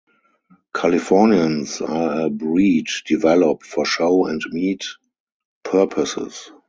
Californians are a breed developed for show and meat purposes.